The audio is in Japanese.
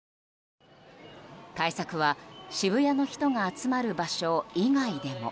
対策は渋谷の人が集まる場所以外でも。